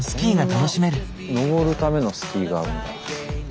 こんな登るためのスキーがあるんだ。